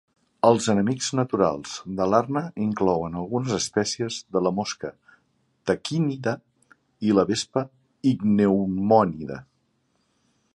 Els enemics naturals de l'arna inclouen algunes espècies de la mosca taquínida i la vespa icneumònida.